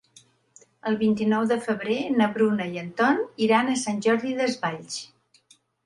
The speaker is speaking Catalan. El vint-i-nou de febrer na Bruna i en Ton iran a Sant Jordi Desvalls.